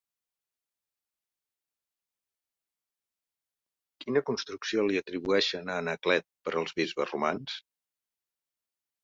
Quina construcció li atribueixen a Anaclet per als bisbes romans?